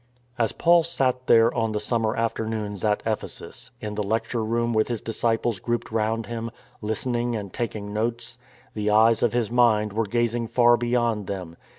As Paul sat there on the summer afternoons at Ephesus, in the lecture room with his disciples grouped round him, listening and taking notes, the eyes of his mind were gazing far beyond them.